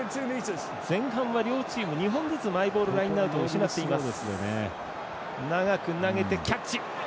前半は両チーム２本ずつマイボールラインアウトを失っています。